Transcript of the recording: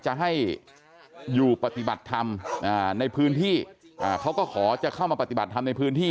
จะให้อยู่ปฏิบัติธรรมในพื้นที่เขาก็ขอจะเข้ามาปฏิบัติธรรมในพื้นที่